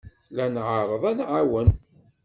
La nɛerreḍ ad nɛawen.